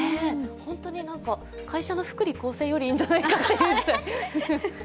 本当に会社の福利厚生よりいいんじゃないかというぐらい。